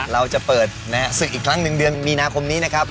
เราจะเปิดศึกอีกครั้งหนึ่งเดือนมีนาคมนี้นะครับ